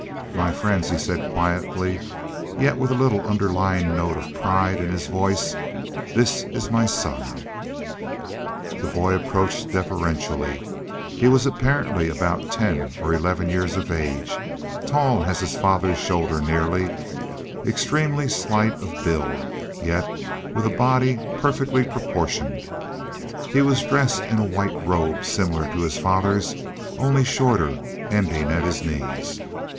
"My friends," he said quietly, yet with a little underlying note of pride in his voice, "this is my son." The boy approached deferentially. He was apparently about ten or eleven years of age, tall as his father's shoulder nearly, extremely slight of build, yet with a body perfectly proportioned. He was dressed in a white robe similar to his father's, only shorter, ending at his knees.